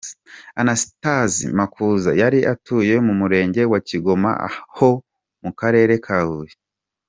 Anastase Makuza yari atuye mu Murenge wa Kigoma ho mu Karere ka Huye.